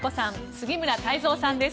杉村太蔵さんです。